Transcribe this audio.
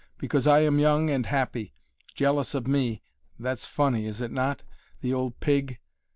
Because I am young and happy. Jealous of me! that's funny, is it not? The old pig!